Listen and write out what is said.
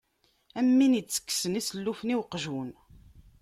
Am win itekksen isellufen i uqjun.